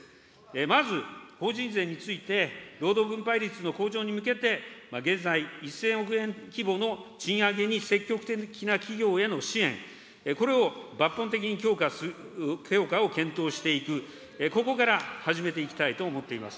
まず、法人税について労働分配率の向上に向けて、現在、１０００億円規模の賃上げに積極的な企業への支援、これを抜本的に強化を検討していく、ここから始めていきたいと思っています。